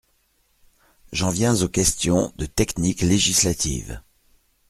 J’en viens aux questions de technique législative.